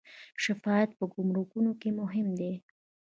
شفافیت په ګمرکونو کې مهم دی